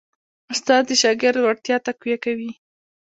استاد د شاګرد وړتیا تقویه کوي.